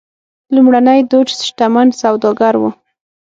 لومړنی دوج شتمن سوداګر و.